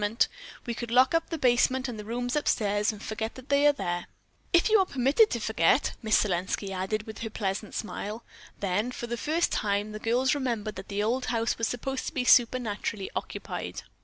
Then we could lock up the basement and the rooms upstairs and forget they are there." "If you are permitted to forget," Miss Selenski added, with her pleasant smile. Then, for the first time, the girls remembered that the old house was supposed to be supernaturally occupied.